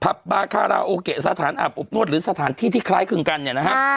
บาคาราโอเกะสถานอาบอบนวดหรือสถานที่ที่คล้ายคลึงกันเนี่ยนะฮะ